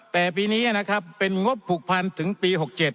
แต่ปีนี้นะครับเป็นงบผูกพันถึงปี๖๗